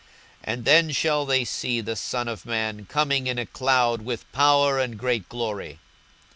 42:021:027 And then shall they see the Son of man coming in a cloud with power and great glory.